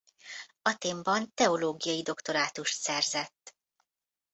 Athénban teológiai doktorátust szerzett.